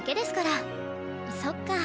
そっか。